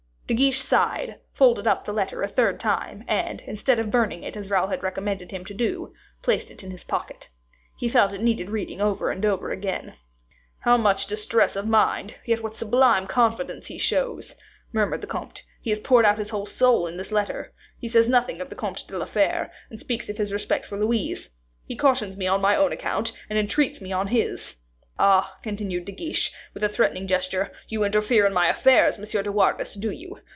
De Guiche sighed, folded up the letter a third time, and, instead of burning it, as Raoul had recommended him to do, placed it in his pocket. He felt it needed reading over and over again. "How much distress of mind, yet what sublime confidence, he shows!" murmured the comte; "he has poured out his whole soul in this letter. He says nothing of the Comte de la Fere, and speaks of his respect for Louise. He cautions me on my own account, and entreats me on his. Ah!" continued De Guiche, with a threatening gesture, "you interfere in my affairs, Monsieur de Wardes, do you?